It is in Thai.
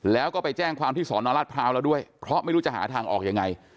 แล้วก็ไปแจ้งความที่สอนอรัฐพร้าวแล้วด้วยเพราะไม่รู้จะหาทางออกยังไง